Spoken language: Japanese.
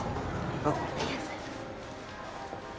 あっ。